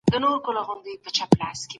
مخینه باید په هیڅ ډول هېره نسي.